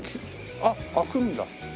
あっ開くんだ。